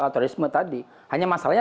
turisme tadi hanya masalahnya